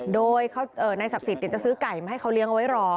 โดยนายศักดิ์สิทธิ์จะซื้อไก่มาให้เขาเลี้ยงเอาไว้รอ